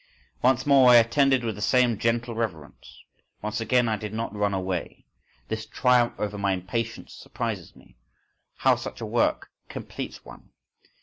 Once more I attended with the same gentle reverence; once again I did not run away. This triumph over my impatience surprises me. How such a work completes one!